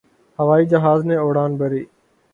ہوائی جہاز نے اڑان بھری